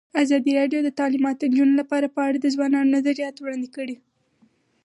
ازادي راډیو د تعلیمات د نجونو لپاره په اړه د ځوانانو نظریات وړاندې کړي.